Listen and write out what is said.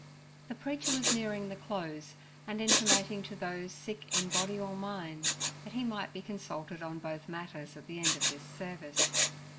The preacher was nearing the close, and intimating to those sick in body or mind that he might be consulted on both matters at the end of this service.